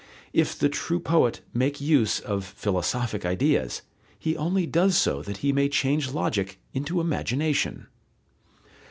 If the true poet make use of philosophic ideas, he only does so that he may change logic into imagination.